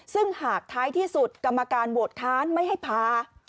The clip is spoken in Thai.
ซึ่งหากท้ายที่สุดกรรมการโหวตค้านไม่ให้พา